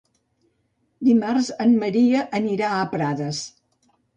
Dimarts en Maria anirà a Prades.